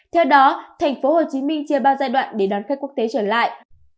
theo đó thành phố hồ chí minh chia ba giai đoạn để đón khách quốc tế trở lại